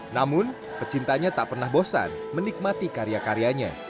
namun pecintanya tak pernah bosan menikmati karya karyanya